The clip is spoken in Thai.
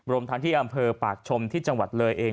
รวมทั้งที่อำเภอปากชมที่จังหวัดเลยเอง